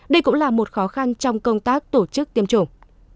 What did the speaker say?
đây cũng là một khó khăn trong công tác tổ chức tiêm chủng